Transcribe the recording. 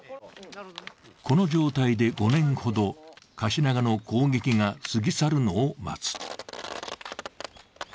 この状態で５年ほどカシナガの攻撃が過ぎ去るのを待つ。